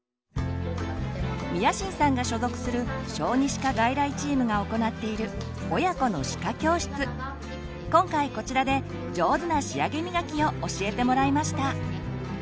宮新さんが所属する小児歯科外来チームが行っている今回こちらで上手な仕上げみがきを教えてもらいました。